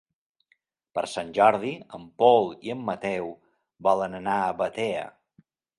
Per Sant Jordi en Pol i en Mateu volen anar a Batea.